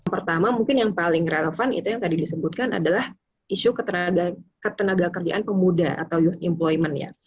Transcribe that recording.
pertama mungkin yang paling relevan itu yang tadi disebutkan adalah isu ketenaga kerjaan pemuda atau use employment ya